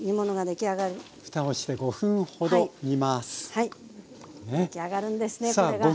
出来上がるんですねこれが。